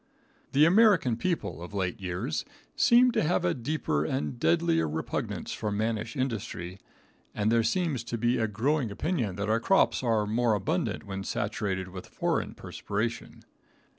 The American people of late years seem to have a deeper and deadlier repugnance for mannish industry, and there seems to be a growing opinion that our crops are more abundant when saturated with foreign perspiration.